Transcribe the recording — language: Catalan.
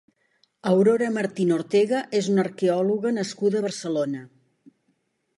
Aurora Martín Ortega és una arqueòloga nascuda a Barcelona.